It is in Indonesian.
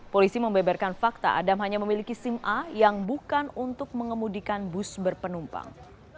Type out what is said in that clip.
polisi membeberkan fakta adam hanya memiliki sim a yang bukan untuk mengemudikan bus berpenumpang